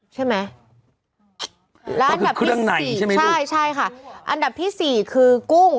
ใช่ไหมแล้วอันดับที่สี่ใช่ค่ะอันดับที่สี่คือกุ้ง